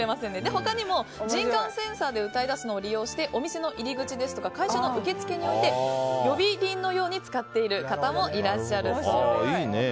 他にも人感センサーで歌い出すのを利用してお店の入り口ですとか会社の受付に置いて呼び鈴のように使っている方もいらっしゃるそうです。